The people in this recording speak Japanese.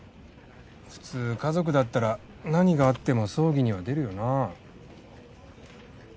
普通家族だったら何があっても葬儀には出るよな。